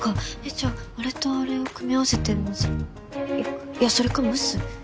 じゃああれとあれを組み合わせて焼くそれか蒸す？